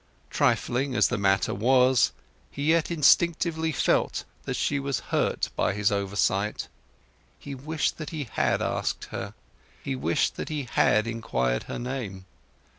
Trifling as the matter was, he yet instinctively felt that she was hurt by his oversight. He wished that he had asked her; he wished that he had inquired her name.